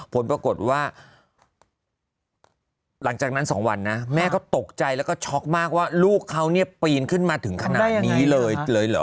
ผลปรากฏว่าหลังจากนั้น๒วันนะแม่ก็ตกใจแล้วก็ช็อกมากว่าลูกเขาเนี่ยปีนขึ้นมาถึงขนาดนี้เลยเลยเหรอ